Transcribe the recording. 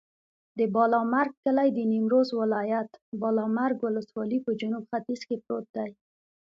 د بالامرګ کلی د نیمروز ولایت، بالامرګ ولسوالي په جنوب ختیځ کې پروت دی.